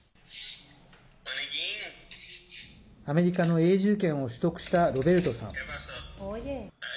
アメリカの永住権を取得したロベルトさん。